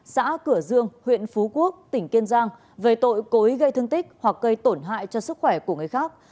xã cửa dương huyện phú quốc tỉnh kiên giang về tội cố ý gây thương tích hoặc gây tổn hại cho sức khỏe của người khác